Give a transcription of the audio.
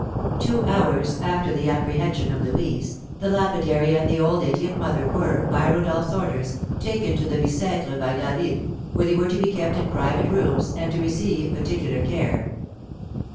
Two hours after the apprehension of Louise, the lapidary and the old idiot mother were, by Rodolph's orders, taken to the Bicêtre by David, where they were to be kept in private rooms and to receive particular care.